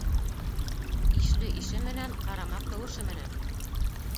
Ишле ише менән, ҡарама ҡыуышы менән.